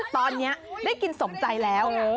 ตอนนี้ได้กินสมใจแล้ว